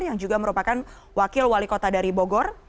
yang juga merupakan wakil wali kota dari bogor